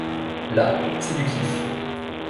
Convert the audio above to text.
Là, c’est du kif.